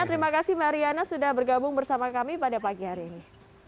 terima kasih mbak riana sudah bergabung bersama kami pada pagi hari ini